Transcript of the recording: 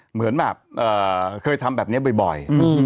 เหมือนแบบเคยทำแบบนี้บ่อย